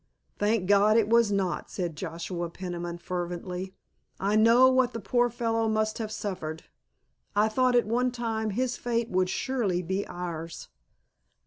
"Thank God it was not," said Joshua Peniman fervently. "I know what the poor fellow must have suffered. I thought at one time his fate would surely be ours."